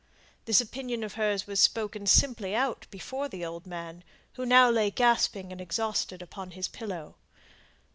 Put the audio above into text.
This opinion of hers was spoken simply out before the old man, who now lay gasping and exhausted upon his pillow.